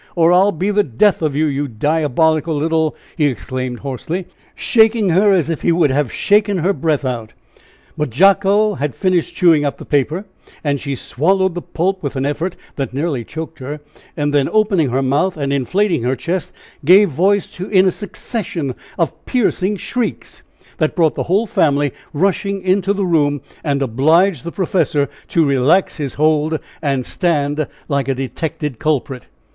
or I'll be the death of you, you diabolical little !" he exclaimed, hoarsely, shaking her as if he would have shaken her breath out. But Jacko had finished chewing up the paper, and she swallowed the pulp with an effort that nearly choked her, and then opening her mouth, and inflating her chest, gave voice in a succession of piercing shrieks, that brought the whole family rushing into the room, and obliged the professor to relax his hold, and stand like a detected culprit.